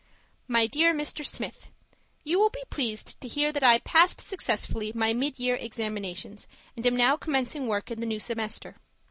My Dear Mr. Smith, You will be pleased to hear that I passed successfully my mid year examinations, and am now commencing work in the new semester.